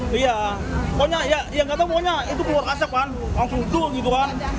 pokoknya ya nggak tahu pokoknya itu keluar asap kan langsung dulu gitu kan